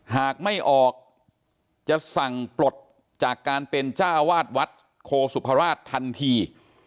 หากไม่ออกจะสั่งปลดจากการเป็นเจ้าวาดวัดโคสุภราชทันที